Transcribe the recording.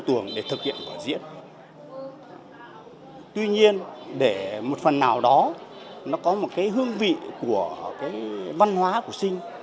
tuồng để thực hiện vở diễn tuy nhiên để một phần nào đó nó có một cái hương vị của văn hóa của sinh